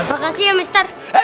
makasih ya mister